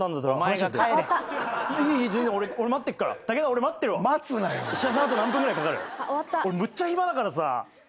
俺むっちゃ暇だからさ。